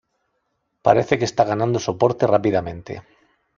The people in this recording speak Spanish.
Parece que está ganando soporte rápidamente".